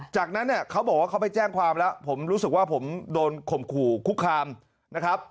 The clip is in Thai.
จากนั้นเนี่ยเขาบอกว่าเขาไปแจ้งความแล้วผมรู้สึกว่าผมโดนข่มขู่คุกคามนะครับ